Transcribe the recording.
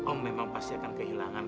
om memang pasti akan kehilangan